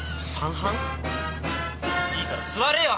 いいから座れよ！